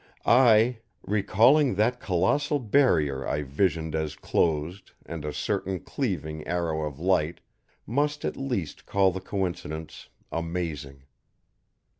I, recalling that colossal Barrier I visioned as closed and a certain cleaving arrow of light, must at least call the coincidence amazing.